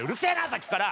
さっきから。